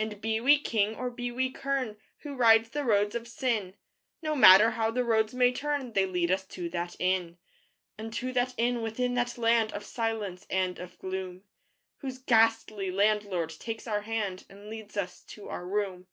And be we king or be we kern Who ride the roads of Sin, No matter how the roads may turn They lead us to that Inn: Unto that Inn within that land Of silence and of gloom, Whose ghastly Landlord takes our hand And leads us to our room.